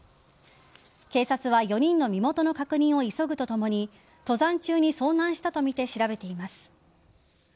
警察は４人の身元の確認を急ぐとともに登山中に遭難したとみて調べています。